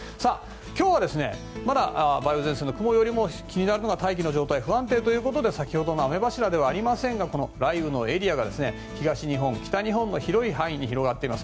今日はまだ梅雨前線の雲よりも気になるのが大気の状態不安定ということで先ほどの雨柱ではありませんが雷雨のエリアが東日本、北日本の広い範囲に広がっています。